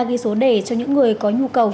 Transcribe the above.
ghi số đề cho những người có nhu cầu